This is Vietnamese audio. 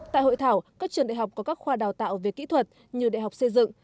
tại hội thảo các trường đại học có các khoa đào tạo về kỹ thuật như đại học xây dựng